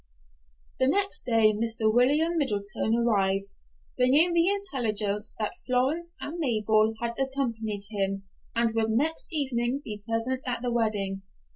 The next day Mr. William Middleton arrived, bringing the intelligence that Florence and Mabel had accompanied him, and would next evening be present at the wedding.